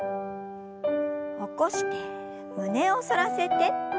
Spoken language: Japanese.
起こして胸を反らせて。